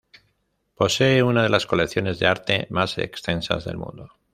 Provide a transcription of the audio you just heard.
Posee una de las colecciones de arte más extensas del mundo.